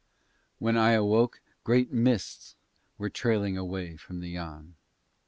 When I awoke great mists were trailing away from the Yann.